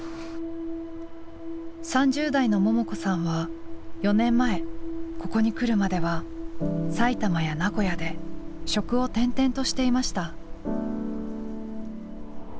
３０代のももこさんは４年前ここに来るまでは埼玉や名古屋で職を転々としていました。